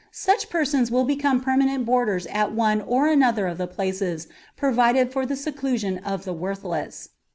Such persons will become permanent boarders at one or another of the places provided for the seclusion of the worthless.